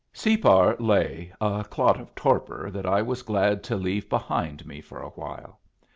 Separ lay a clot of torpor that I was glad to leave behind me for a while.